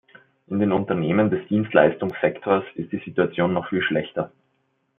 In den Unternehmen des Dienstleistungssektors ist die Situation noch viel schlechter.